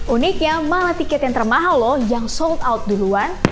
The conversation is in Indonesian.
uniknya malah tiket yang termahal loh yang sold out duluan